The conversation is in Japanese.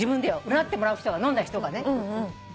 占ってもらう人が飲んだ人がね。